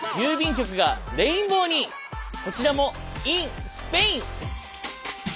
こちらもＩＮスペイン。